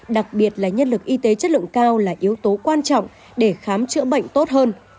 đặc biệt là nhân lực y tế chất lượng cao là yếu tố quan trọng để khám chữa bệnh tốt hơn